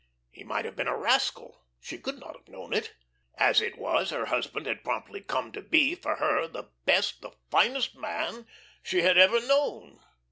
He might have been a rascal; she could not have known it. As it was, her husband had promptly come to be, for her, the best, the finest man she had ever known.